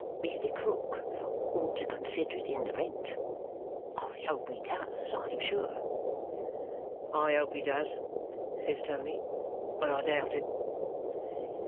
"Mr. Krook ought to consider it in the rent. I hope he does, I am sure." "I hope he does," says Tony. "But I doubt it."